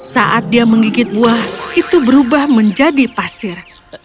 saat dia menggigit buah itu berubah menjadi pasir